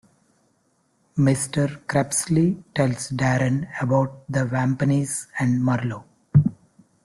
Mr. Crepsley tells Darren about the Vampaneze and Murlough.